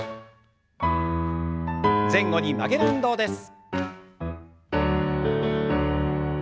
前後に曲げる運動です。